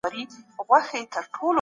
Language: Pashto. دا میتود باید پراختیا ومومي.